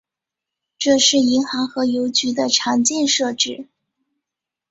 这是银行和邮局的常见设置。